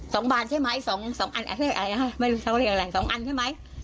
สองบานใช่ไหมสองอันไม่รู้จะเรียกอะไรสองอันใช่ไหม